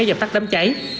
và tắt đấm cháy